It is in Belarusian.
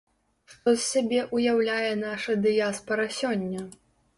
Што з сябе ўяўляе наша дыяспара сёння?